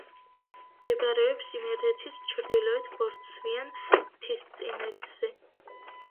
მდებარეობს იმერეთის ჩრდილოეთ ბორცვიან მთისწინეთზე.